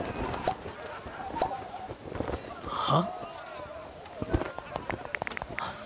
は！？